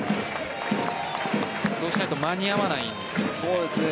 そうしないと間に合わないんですかね？